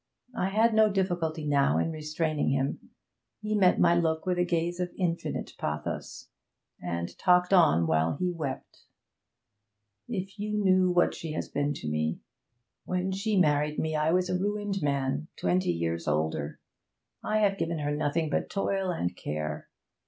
I had no difficulty now in restraining him. He met my look with a gaze of infinite pathos, and talked on while he wept. 'If you knew what she has been to me! When she married me I was a ruined man twenty years older. I have given her nothing but toil and care.